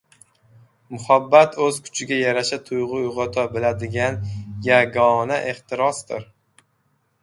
Muhabbat — o‘z kuchiga yarasha tuyg‘u uyg‘ota biladigan yagona ehtirosdir.